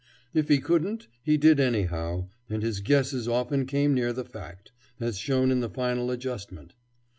If he couldn't, he did anyhow, and his guesses often came near the fact, as shown in the final adjustment.